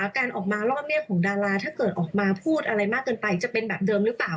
การออกมารอบนี้ของดาราถ้าเกิดออกมาพูดอะไรมากเกินไปจะเป็นแบบเดิมหรือเปล่า